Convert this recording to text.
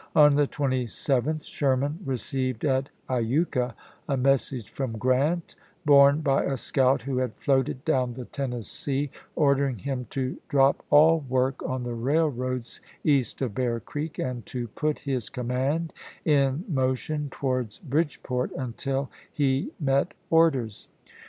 On the 27th Sherman received at luka a message from Grant, borne by a scout who had floated down the Tennessee, ordering him to drop all work on the railroads east of Bear Creek and to put his command in motion towards Bridgeport until he met orders.